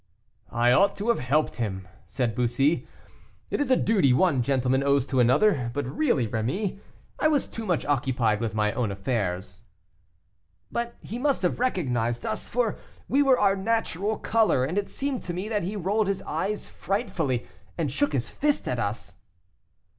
"I ought to have helped him," said Bussy, "it is a duty one gentleman owes to another; but, really, Rémy, I was too much occupied with my own affairs." "But he must have recognized us, for we were our natural color, and it seemed to me that he rolled his eyes frightfully, and shook his fist at us."